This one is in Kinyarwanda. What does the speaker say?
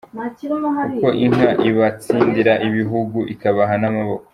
Uko inka ibatsindira ibihugu ,ikabaha n’amaboko.